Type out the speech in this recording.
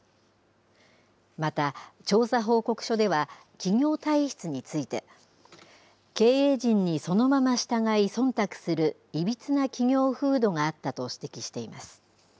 また、調査報告書では、企業体質について、経営陣にそのまま従い、そんたくするいびつな企業風土があったと指摘しています。